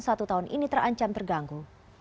satu tahun ini terancam terganggu